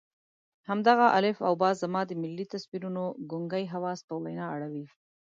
همدغه الف او ب زما د ملي تصویرونو ګونګي حواس په وینا اړوي.